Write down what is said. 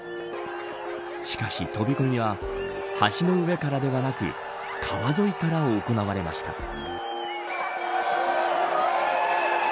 しかし、飛び込みは橋の上からではなく川沿いから行われました。